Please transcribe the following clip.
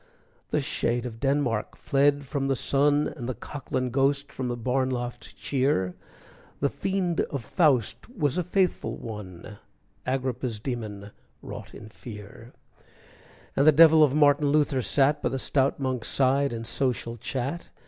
The shade of Denmark fled from the sun, And the Cocklane ghost from the barn loft cheer, The fiend of Faust was a faithful one, Agrippa's demon wrought in fear, And the devil of Martin Luther sat By the stout monk's side in social chat.